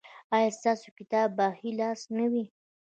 ایا ستاسو کتاب به په ښي لاس نه وي؟